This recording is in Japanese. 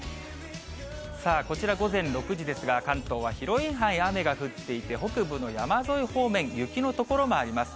さあ、こちら午前６時ですが、関東は広い範囲雨が降っていて、北部の山沿い方面、雪の所もあります。